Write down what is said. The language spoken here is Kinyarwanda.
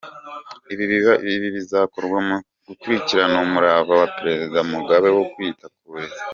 Ibi bikazakorwa mu kuzirikana umurava wa Perezida Mugabe wo kwita ku burezi.